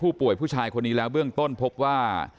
ผู้ชายคนนี้แล้วเบื้องต้นพบว่า